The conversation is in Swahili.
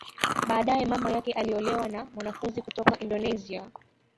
Baadae mama yake aliolewa na mwanafunzi kutoka Indonesia